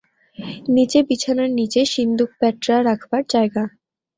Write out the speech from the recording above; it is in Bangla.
নীচে বিছানার নীচে সিন্দুক প্যাঁটরা রাখবার জায়গা।